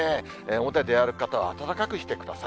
表、出歩く方は暖かくしてください。